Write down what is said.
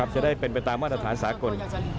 จะได้เป็นไปตามมาตรฐานสากล